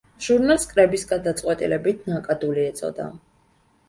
ჟურნალს კრების გადაწყვეტილებით „ნაკადული“ ეწოდა.